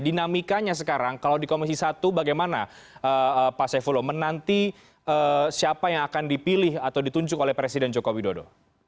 dinamikanya sekarang kalau di komisi satu bagaimana pak saifullah menanti siapa yang akan dipilih atau ditunjuk oleh presiden joko widodo